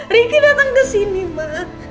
riki datang kesini ma